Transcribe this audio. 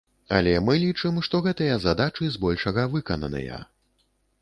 Але мы лічым, што гэтыя задачы збольшага выкананыя.